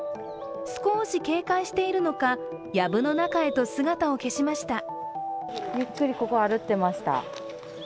少し警戒しているのか、やぶの中へと姿を消しました。